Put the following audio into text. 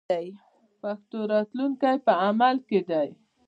د پښتو راتلونکی په عمل کې دی.